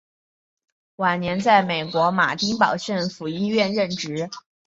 晚年在美国马丁堡政府医院任职。